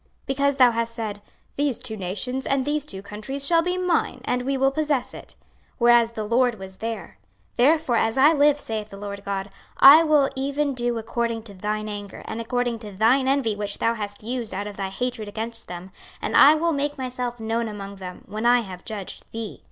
26:035:010 Because thou hast said, These two nations and these two countries shall be mine, and we will possess it; whereas the LORD was there: 26:035:011 Therefore, as I live, saith the Lord GOD, I will even do according to thine anger, and according to thine envy which thou hast used out of thy hatred against them; and I will make myself known among them, when I have judged thee.